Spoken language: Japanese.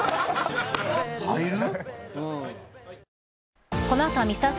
入る？